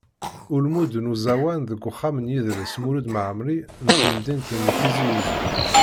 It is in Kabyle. Ulmud n uẓawan deg uxxam n yidles Mulud Mɛemmri n temdint n Tizi Uzzu.